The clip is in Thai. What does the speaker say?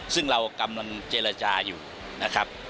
ซึ่งเรากำลังเจรจาอยู่นะครับ